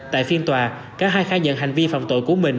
tại phiên tòa cả hai khai nhận hành vi phạm tội của mình